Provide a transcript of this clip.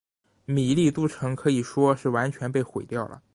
米利都城可以说是被完全毁掉了。